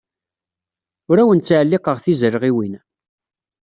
Ur awen-ttɛelliqeɣ tizalɣiwin.